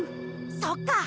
そっか！